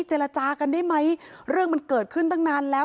เจรจากันได้ไหมเรื่องมันเกิดขึ้นตั้งนานแล้ว